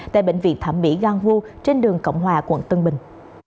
tại bệnh viện thẩm mỹ gan hu trên đường cộng hòa quận tân bình